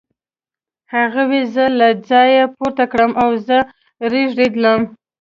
هغوی زه له ځایه پورته کړم او زه رېږېدلم